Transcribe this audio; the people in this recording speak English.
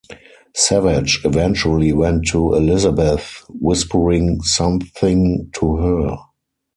Savage eventually went to Elizabeth, whispering something to her.